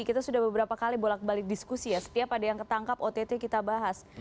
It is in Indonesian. kita sudah beberapa kali bolak balik diskusi ya setiap ada yang ketangkap ott kita bahas